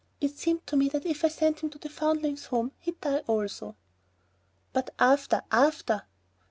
It seemed to me that if I sent him to the Foundlings' Home he'd died also." "But after?... after?"